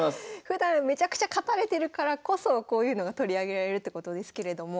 ふだんめちゃくちゃ勝たれてるからこそこういうのが取り上げられるってことですけれども。